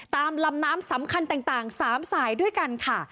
ตามลำน้ำสำคัญต่าง๓สายด้วยกันค่ะ